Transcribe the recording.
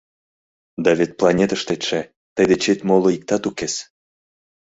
— Да вет планетыштетше тый дечет моло иктат укес!